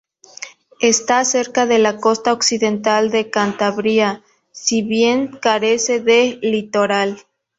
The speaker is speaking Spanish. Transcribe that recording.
Está cerca de la costa occidental de Cantabria, si bien carece de litoral.